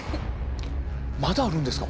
まだあるんですか？